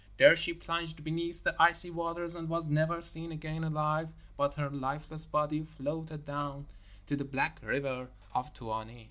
There she plunged beneath the icy waters and was never seen again alive, but her lifeless body floated down to the black river of Tuoni.